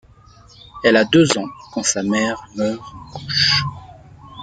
Elle a deux ans quand sa mère meurt en couches.